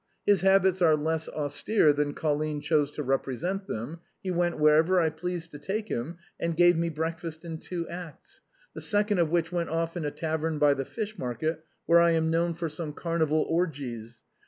His habits are less austere than Colline chose to represent them; he went wherever I pleased to take him, and gave me a breakfast in two acts, the second of which went off in a tavern by the fish market where I am known for some Carnival orgies.